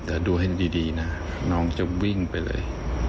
แต่ดูให้ดีนะน้องจะวิ่งไปเลย